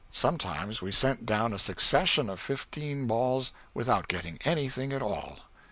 Sometimes we sent down a succession of fifteen balls without getting anything at all.